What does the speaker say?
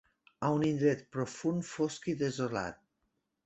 A un indret profund, fosc i desolat.